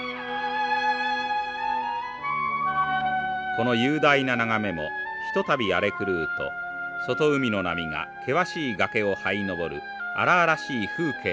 この雄大な眺めもひとたび荒れ狂うと外海の波が険しい崖をはい上る荒々しい風景に変わります。